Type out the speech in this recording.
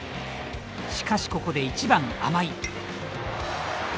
しかしここで１番甘井。